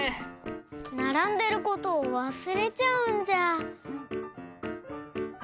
ならんでることをわすれちゃうんじゃ。